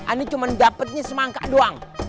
anda cuma dapatnya semangka doang